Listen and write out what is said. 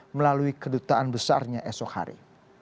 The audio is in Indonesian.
melalui kedutaan besarnya esok hari